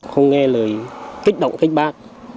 không nghe lời kích động kích bác